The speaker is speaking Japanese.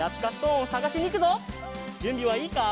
じゅんびはいいか？